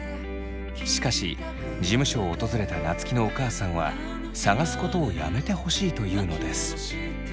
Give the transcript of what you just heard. しかし事務所を訪れた夏樹のお母さんは探すことをやめてほしいと言うのです。